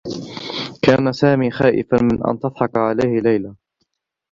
كان سامي خائفا من أن تضحك عليه ليلى.